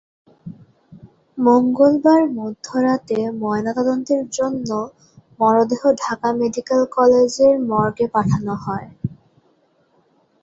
মঙ্গলবার মধ্যরাতে ময়নাতদন্তের জন্য মরদেহ ঢাকা মেডিকেল কলেজের মর্গে পাঠানো হয়।